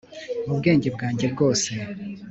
mu bwenge bwanjye bwose